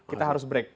kita harus break